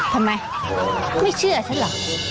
ทำไมไม่เชื่อฉันล่ะ